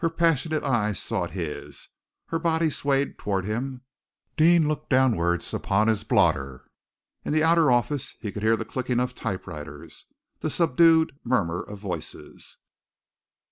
Her passionate eyes sought his, her body swayed towards him. Deane looked downwards upon his blotter. In the outer office he could hear the clicking of typewriters, the subdued murmur of voices.